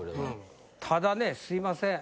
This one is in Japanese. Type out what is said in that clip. ただねすいません。